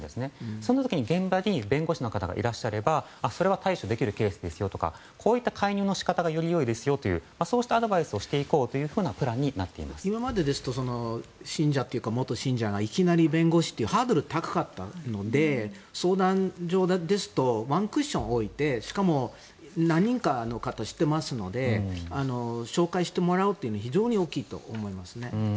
そんな時に現場に弁護士の方がいらっしゃれば、それは対処できるケースですよとかこういった介入の仕方がより良いですよというアドバイスをしていこうという今までは元信者がいきなり弁護士はハードルが高かったので相談上ですとワンクッションを置いてしかも何人かの方を知っていますので紹介してもらえるのは非常に大きいと思いますね。